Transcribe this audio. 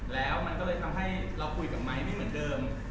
แล้วมันก็เลยทำให้เราคุยกับไมค์ไม่เหมือนเดิม